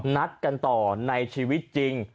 นัดกันต่อในชีวิตจริง